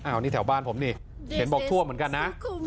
อันนี้แถวบ้านผมนี่เห็นบอกทั่วเหมือนกันนะ